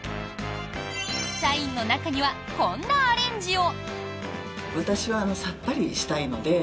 社員の中にはこんなアレンジを。